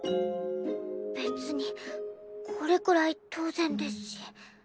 別にこれくらい当然ですし。